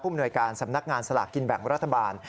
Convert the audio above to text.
มนวยการสำนักงานสลากกินแบ่งรัฐบาล